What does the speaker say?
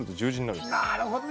なるほどね！